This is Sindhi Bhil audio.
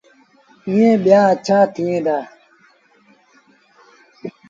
ائيٚݩ ٻيٚآ اَڇآ ٿئيٚݩ دآ۔